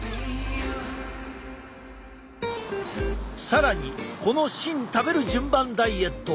更にこのシン食べる順番ダイエット。